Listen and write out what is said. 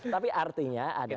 tapi artinya adalah